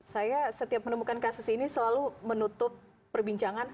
saya setiap menemukan kasus ini selalu menutup perbincangan